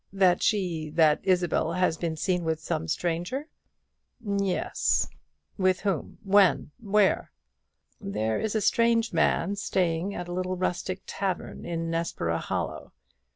That she that Isabel has been seen with some stranger?" "Yes." "With whom? when? where?" "There is a strange man staying at a little rustic tavern in Nessborough Hollow.